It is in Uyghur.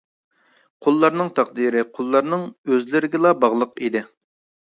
قۇللارنىڭ تەقدىرى قۇللارنىڭ ئۆزلىرىگىلا باغلىق ئىدى.